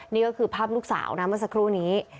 นี่ก็คือภาพลูกสาวนะเมื่อสักครู่นี้